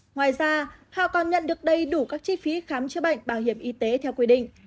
ngoài ra họ còn nhận được đầy đủ các chi phí khám chữa bệnh bảo hiểm y tế theo quy định